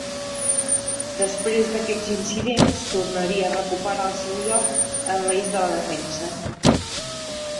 Després d'aquests incidents tornaria a recuperar el seu lloc en l'eix de la defensa.